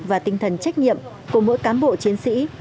và tinh thần trách nhiệm của mỗi cán bộ chiến sĩ